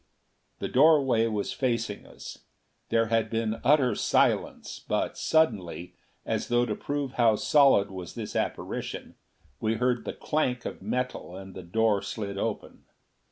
The doorway was facing us. There had been utter silence; but suddenly, as though to prove how solid was this apparition, we heard the clank of metal, and the door slid open.